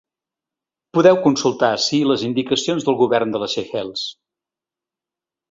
Podeu consultar ací les indicacions del govern de les Seychelles.